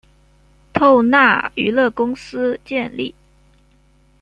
透纳娱乐公司建立。